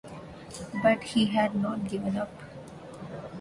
But he had not given up.